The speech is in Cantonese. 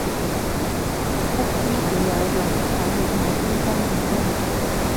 不知幾有用，睇用喺邊方面咋嘛